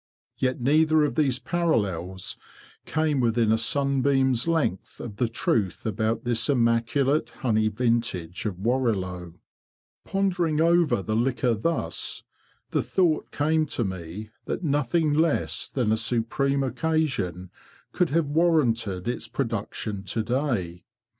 Yet neither of these parallels came within a sunbeam's length of 22 THE BEE MASTER OF WARRILOW the truth about this immaculate honey vintage of Warrilow. Pondering over the liquor thus, the thought came to me that nothing less than a supreme occasion could have warranted its production to day.